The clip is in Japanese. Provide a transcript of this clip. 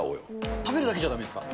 食べるだけじゃだめですか？